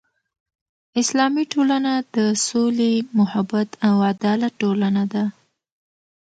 اسلامي ټولنه د سولې، محبت او عدالت ټولنه ده.